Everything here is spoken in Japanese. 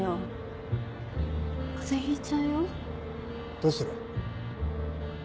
どうする？